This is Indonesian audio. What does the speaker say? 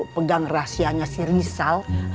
pegang rahasianya si rizal